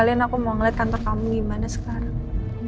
abis itu aku mau liat kantor kamu gimana sekarang